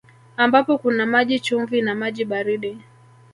Ambapo kuna maji chumvi na maji baridi